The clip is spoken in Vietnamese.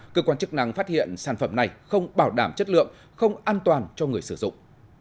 cơ quan chức năng phát hiện sản phẩm này không bảo đảm chất lượng không an toàn cho người sử dụng